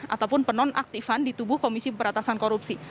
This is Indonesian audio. ataupun penonaktifan di tubuh komisi pembatasan korupsi